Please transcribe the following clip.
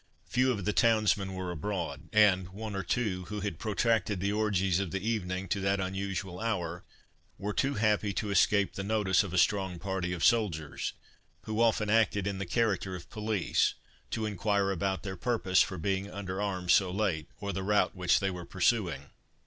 Few of the townsmen were abroad; and one or two, who had protracted the orgies of the evening to that unusual hour, were too happy to escape the notice of a strong party of soldiers, who often acted in the character of police, to inquire about their purpose for being under arms so late, or the route which they were pursuing.